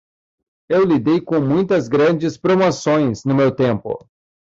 Eu lidei com muitas grandes promoções no meu tempo.